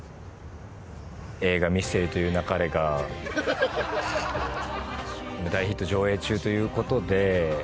映画『ミステリと言う勿れ』が大ヒット上映中ということで。